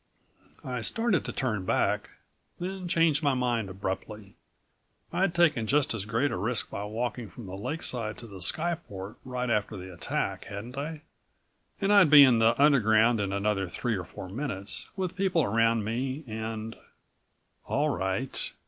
I started to turn back, then changed my mind abruptly. I'd taken just as great a risk by walking from the lakeside to the skyport right after the attack, hadn't I? And I'd be in the Underground in another three or four minutes, with people around me and All right.